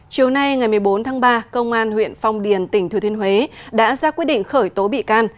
chiều nay ngày một mươi bốn tháng ba công an huyện phong điền tỉnh thừa thiên huế đã ra quyết định khởi tố bị can